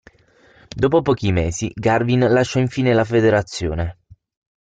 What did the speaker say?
Dopo pochi mesi, Garvin lasciò infine la federazione.